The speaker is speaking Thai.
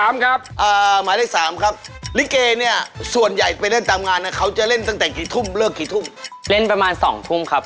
๓นาทีอยากถามอะไรถามครับ